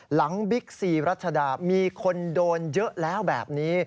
บิ๊กซีรัชดามีคนโดนเยอะแล้วแบบนี้